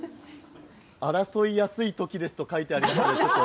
争いやすい時ですと書いてあります。